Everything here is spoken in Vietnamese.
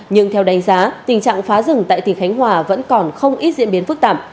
nhưng theo đánh giá tình trạng phá rừng tại tỉnh khánh hòa vẫn còn không ít diễn biến phức tạp